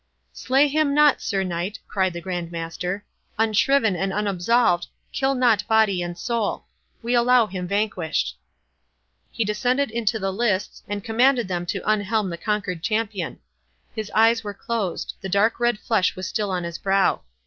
"Slay him not, Sir Knight," cried the Grand Master, "unshriven and unabsolved—kill not body and soul! We allow him vanquished." He descended into the lists, and commanded them to unhelm the conquered champion. His eyes were closed—the dark red flush was still on his brow.